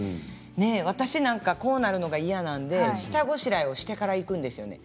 私なんか、こうなるのが嫌なので下ごしらえをしてから行くんですよね。